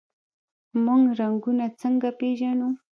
موږ رنګونه څنګه پیژنو؟